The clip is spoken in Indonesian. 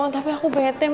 tapi aku bete